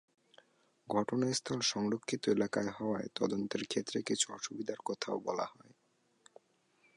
ঘটনাস্থল সংরক্ষিত এলাকায় হওয়ায় তদন্তের ক্ষেত্রে কিছু অসুবিধার কথাও বলা হয়।